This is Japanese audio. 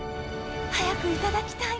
早くいただきたい。